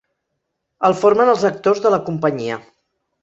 El formen els actors de la companyia.